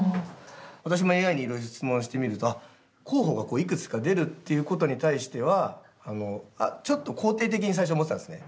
私もＡＩにいろいろ質問してみると候補がいくつか出るっていうことに対してはちょっと肯定的に最初思ってたんですね。